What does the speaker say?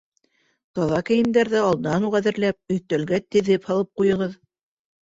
Таҙа кейемдәрҙе алдан уҡ әҙерләп, өҫтәлгә теҙеп һалып ҡуйығыҙ.